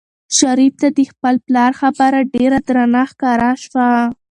شریف ته د خپل پلار خبره ډېره درنه ښکاره شوه.